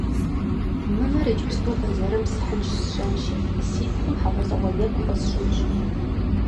Мывэр иджыпсту бэзэрым схьынщ сщэнщи, си пхъум хьэгъуэлӀыгъуэ екӀу хуэсщӀынщ.